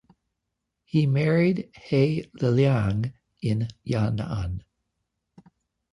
He married He Liliang in Yan'an.